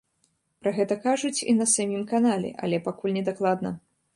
Пра гэта кажуць і на самім канале, але пакуль не дакладна.